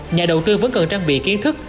nhà đầu tư vẫn cần trang bị kiến thức